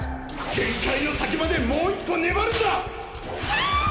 限界の先までもう一歩粘るんだ！